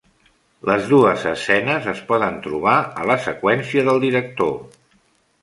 Les dues escenes es poden trobar a la seqüència del director.